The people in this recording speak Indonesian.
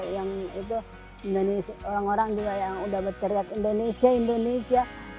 yang itu indonesia orang orang juga yang udah berteriak indonesia indonesia